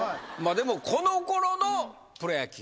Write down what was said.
でもこのころのプロ野球。